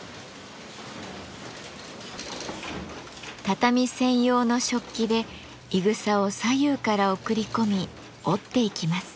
畳専用の織機でいぐさを左右から送り込み織っていきます。